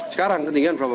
sekarang ketinggian berapa